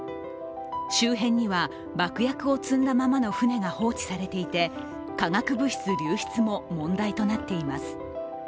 周辺には爆薬を積んだままの船が放置されていて、化学物質流出も問題となっています。